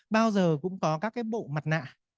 bao giờ cũng có các bộ mặt nạ